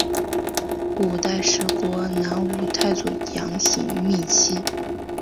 五代十国南吴太祖杨行密妻。